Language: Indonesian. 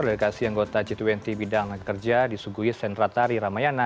delegasi anggota g dua puluh bidang kerja di sugui sentratari ramayana